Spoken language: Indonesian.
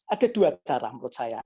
ada dua cara menurut saya